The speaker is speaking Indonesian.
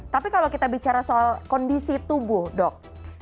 tapi kalau kita bicara soal kondisi tubuh dok